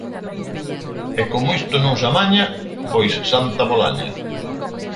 E como isto non se amaña, pois Santa Bolaña.